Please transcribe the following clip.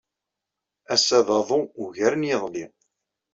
Ass-a d aḍu ugar n yiḍelli.